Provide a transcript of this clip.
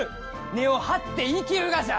根を張って生きるがじゃ！